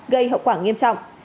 gây hậu quả nghiêm trọng